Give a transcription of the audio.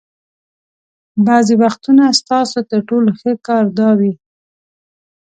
بعضې وختونه ستاسو تر ټولو ښه کار دا وي.